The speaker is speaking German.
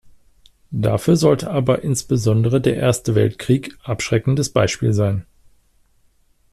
Dafür sollte aber insbesondere der Erste Weltkrieg abschreckendes Beispiel sein.